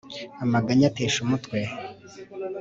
Amaganya atesha umutwe